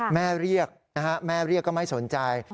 แม่เรียกนะฮะแม่เรียกก็ไม่สนใจ